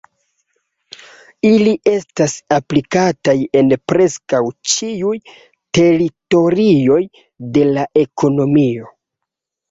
Ili estas aplikataj en preskaŭ ĉiuj teritorioj de la ekonomio.